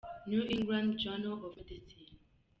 Src: New England Journal of medecine.